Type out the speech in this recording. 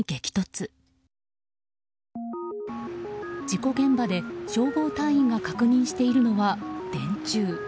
事故現場で消防隊員が確認しているのは電柱。